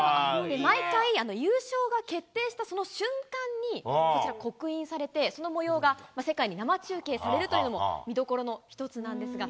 毎回、優勝が決定したその瞬間にこちら、刻印されて、そのもようが世界に生中継されるというのも見どころの一つなんですが。